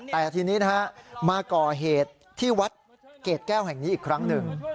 แต่ทีนี้นะฮะมาก่อเหตุที่วัดเกรดแก้วแห่งนี้อีกครั้งหนึ่ง